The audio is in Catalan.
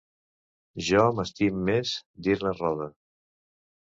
Jo m'estim més dir-ne 'roda'.